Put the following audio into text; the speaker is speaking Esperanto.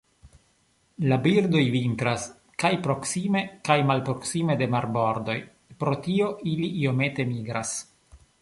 La birdoj vintras kaj proksime kaj malproksime de marbordoj, por tio ili iomete migras.